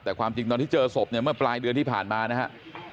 แต่ความจริงตอนที่เจอศพเนี่ยเมื่อปลายเดือนที่ผ่านมานะครับ